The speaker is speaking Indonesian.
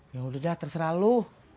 yaudah dah terserah lu